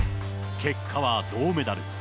結果は銅メダル。